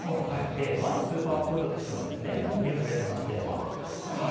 和のスーパーフードとしても利用されてまして。